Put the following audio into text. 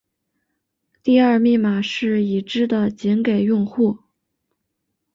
第二密码是已知的仅给用户。